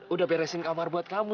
udah beresin kamar buat kamu